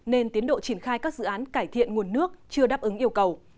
nên tiến độ triển khai các dự án cải thiện nguồn nước chưa đáp ứng yêu cầu